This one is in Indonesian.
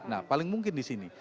nah paling mungkin di sini